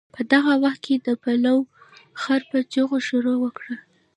په دغه وخت کې د بهلول خر په چغو شروع وکړه.